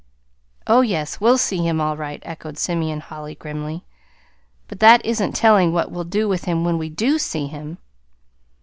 "Oh, yes, we'll see him all right," echoed Simeon Holly grimly. "But that isn't telling what we'll do with him when we do see him."